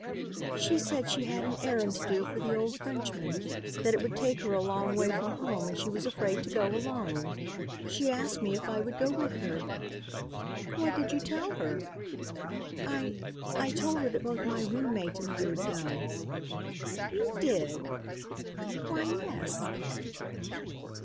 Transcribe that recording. "She said she had an errand to do for the old Frenchman; that it would take her a long way from home and she was afraid to go alone. She asked me if I would go with her." "What did you tell her?" "I I told her that both my roommate and I would go." "You did!" "Why, yes."